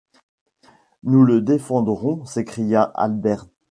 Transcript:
Nous la défendrions! s’écria Harbert.